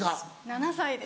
７歳です。